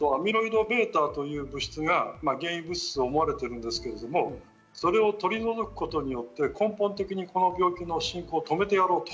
アミロイドβという物質が原因物質と思われているんですけれども、それを取り除くことによって根本的に進行を止めてやろうと。